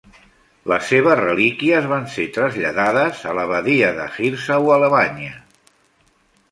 Les seves relíquies van ser traslladades a l'abadia de Hirsau a Alemanya.